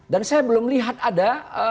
dan saya belum lihat ada